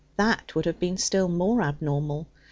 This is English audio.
That would have been still more abnormal.